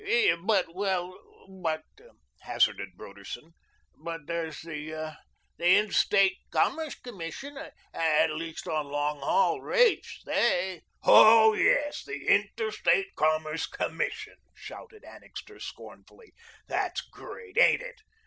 "But well but," hazarded Broderson, "but there's the Interstate Commerce Commission. At least on long haul rates they " "Hoh, yes, the Interstate Commerce Commission," shouted Annixter, scornfully, "that's great, ain't it?